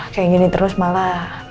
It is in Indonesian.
kayak gini terus malah